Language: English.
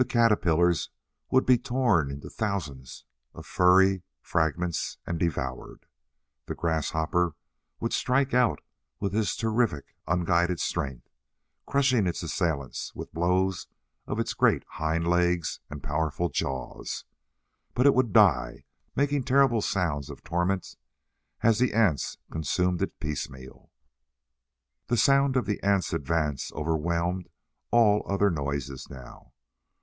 The caterpillars would be torn into thousands of furry fragments and devoured. The grasshopper would strike out with his terrific, unguided strength, crushing its assailants with blows of its great hind legs and powerful jaws. But it would die, making terrible sounds of torments as the ants consumed it piecemeal. The sound of the ants' advance overwhelmed all other noises now.